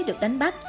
được đánh bắt